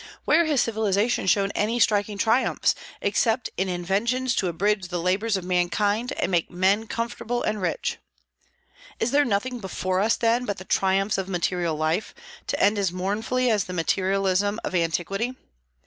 Where has civilization shown any striking triumphs, except in inventions to abridge the labors of mankind and make men comfortable and rich? Is there nothing before us, then, but the triumphs of material life, to end as mournfully as the materialism of antiquity?